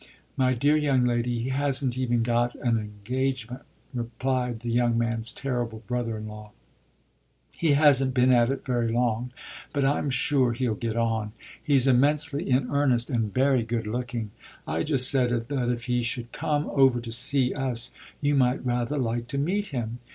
"My dear young lady, he hasn't even got an engagement," replied the young man's terrible brother in law. "He hasn't been at it very long, but I'm sure he'll get on. He's immensely in earnest and very good looking. I just said that if he should come over to see us you might rather like to meet him.